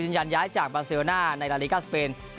ยันย้ายจากบาเซลน่าในลาลิกาสเปน